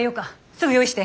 すぐ用意して。